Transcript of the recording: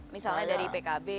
misalnya dari pkb